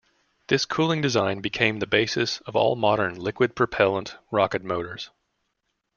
This cooling design became the basis of all modern liquid-propellant rocket motors.